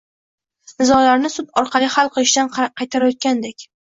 nizolarni sud orqali hal qilishdan qaytarayotgandek.